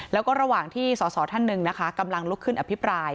แล้วก็ระหว่างที่สอสอท่านหนึ่งนะคะกำลังลุกขึ้นอภิปราย